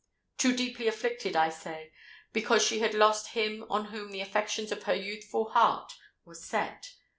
Too deeply afflicted, I say, because she had lost him on whom the affections of her youthful heart were set.